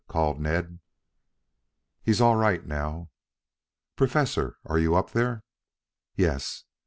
called Ned. "He's all right now." "Professor, are you up there?" "Yes."